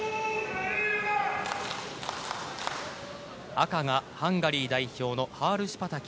赤がハンガリー代表のハールシュパタキ。